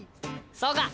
そうか！